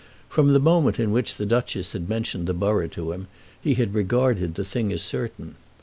From the moment in which the Duchess had mentioned the borough to him, he had regarded the thing as certain.